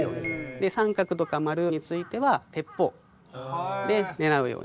で三角とか丸については鉄砲で狙うようにと。